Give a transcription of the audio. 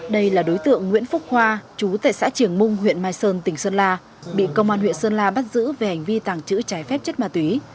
đây là đối tượng nguyễn phúc hoa chú tại xã triềng mung huyện mai sơn tỉnh sơn la bị công an huyện sơn la bắt giữ về hành vi tàng trữ trái phép chất ma túy